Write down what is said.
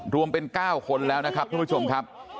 รวมเป็น๙คนแล้วนะครับท่านผู้ชมครับ